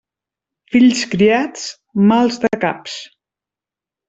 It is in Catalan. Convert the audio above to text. Fills criats, mals de caps.